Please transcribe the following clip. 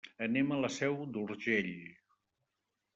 Anem a la Seu d'Urgell.